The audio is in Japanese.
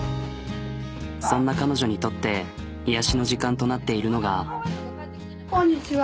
そんな彼女にとって癒やしの時間となっているのが。